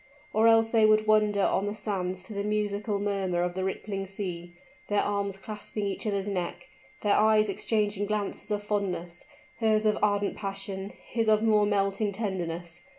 Or else they would wander on the sands to the musical murmur of the rippling sea, their arms clasping each other's neck their eyes exchanging glances of fondness hers of ardent passion, his of more melting tenderness.